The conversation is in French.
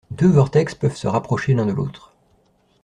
deux vortex peuvent se rapprocher l'un de l'autre